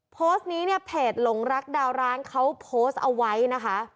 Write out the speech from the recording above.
โพสต์นี้เนี่ยเพจหลงรักดาวร้างเขาโพสต์เอาไว้นะคะ